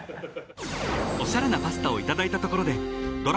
［おしゃれなパスタをいただいたところで］